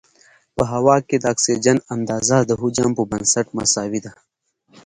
په هوا کې د اکسیجن اندازه د حجم په بنسټ مساوي ده.